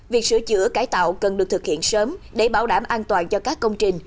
việc sửa chữa cải tạo cần được thực hiện sớm để bảo đảm an toàn cho các công trình